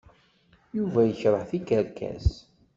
Yuba yekṛeh tikerkas.